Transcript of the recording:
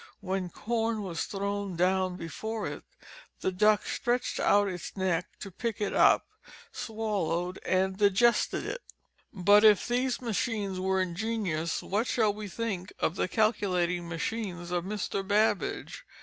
When corn was thrown down before it, the duck stretched out its neck to pick it up, swallowed, and digested it. {*1} But if these machines were ingenious, what shall we think of the calculating machine of Mr. Babbage?